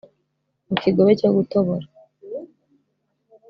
Mu kigobe cyo gutobora